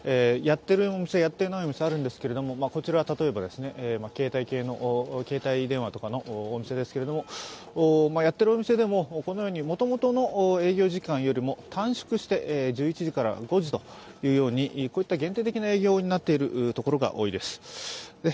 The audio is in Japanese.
やっているお店、やっていないお店はあるんですけど、こちらは例えば携帯電話などのお店ですけれども、やってるお店でも、もともとの営業時間よりも短縮して１１時から５時というようにこういった限定的な営業になっているところが多いです。